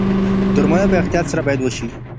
درملنه په احتیاط سره باید وشي.